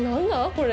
これ？